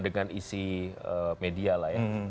dengan isi media lah ya